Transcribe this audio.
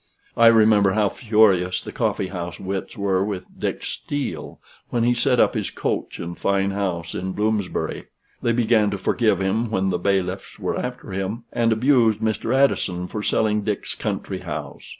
I remember how furious the coffee house wits were with Dick Steele when he set up his coach and fine house in Bloomsbury: they began to forgive him when the bailiffs were after him, and abused Mr. Addison for selling Dick's country house.